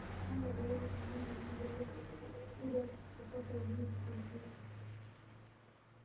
Ponda viazi changanya na maji halafu chuja kupata juisi nzuri